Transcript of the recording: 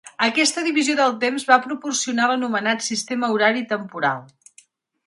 Aquesta divisió del temps va proporcionar l'anomenat sistema horari temporal.